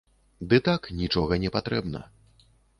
Ды так, нічога не патрэбна.